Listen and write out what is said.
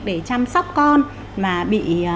để chăm sóc con mà bị